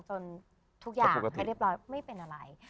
ทุกอย่างให้เรียบร้อยไม่เป็นอะไร